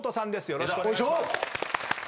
よろしくお願いします。